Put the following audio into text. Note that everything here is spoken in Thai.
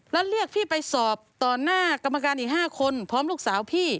แล้วเรียกพี่ไปสอบต่อหน้ากรรมการอีก๕คนพร้อมลูกสาวพี่